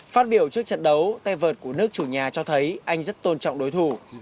phát biểu trước trận đấu tay vợt của nước chủ nhà cho thấy anh rất tôn trọng đối thủ